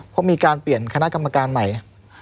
เพราะมีการเปลี่ยนคณะกรรมการใหม่